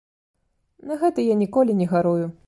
На гэта я ніколі не гарую.